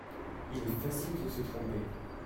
Il est facile de se tromper.